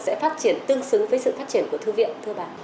sẽ phát triển tương xứng với sự phát triển của thư viện thưa bà